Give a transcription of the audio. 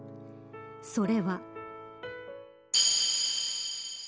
それは。